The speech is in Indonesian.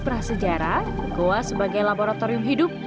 dalam kisah prasejarah gua sebagai laboratorium hidup